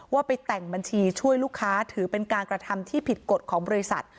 ว่าไปแต่งบัญชีช่วยลูกค้าถือเป็นการกระทำที่ผิดกฎของบริษัท